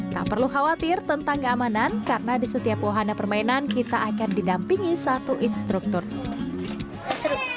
tak perlu khawatir tentang keamanan karena di setiap wahana permainan kita akan didampingi satu instruktur